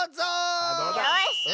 よし！